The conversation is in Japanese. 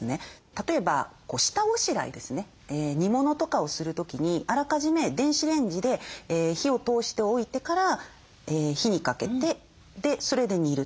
例えば下ごしらえですね煮物とかをする時にあらかじめ電子レンジで火を通しておいてから火にかけてそれで煮る。